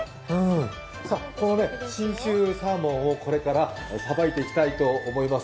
この信州サーモンをこれからさばいていきたいと思います。